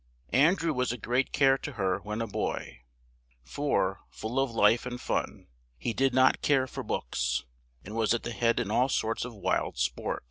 Andrew was a great care to her when a boy, for, full of life and fun, he did not care for books, and was at the head in all sorts of wild sport.